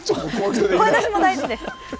声出しも大事です。